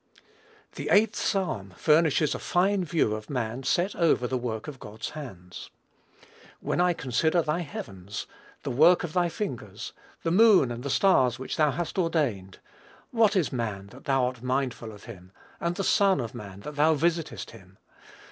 The 8th Psalm furnishes a fine view of man set over the work of God's hands: "when I consider thy heavens, the work of thy fingers; the moon and the stars which thou hast ordained: what is man that thou art mindful of him? and the son of man that thou visitest him?